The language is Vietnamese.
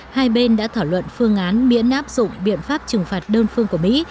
hai bên đã thảo luận phương án miễn áp dụng biện pháp trừng phạt đơn phương của mỹ